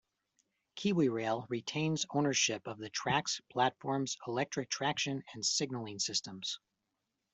KiwiRail retains ownership of the tracks, platforms, electric traction and signalling systems.